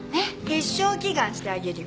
必勝祈願してあげるよ。